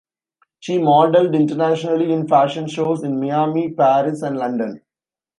She modeled internationally in fashion shows in Miami, Paris and London.